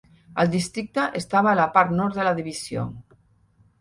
El districte estava a la part nord de la divisió.